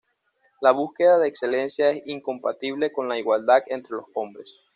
La búsqueda de excelencia es incompatible con la igualdad entre los hombres.